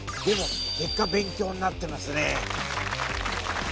でも結果勉強になってますね！